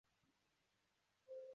编剧之一的也已签约回归编剧。